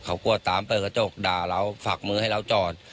เขากลัวตามเปิดกระจกด่าเราฝักมือให้เราจอด